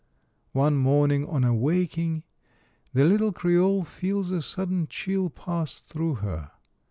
One morning, on awaking, the little Creole feels a sudden chill pass through her.